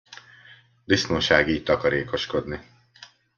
Disznóság így takarékoskodni.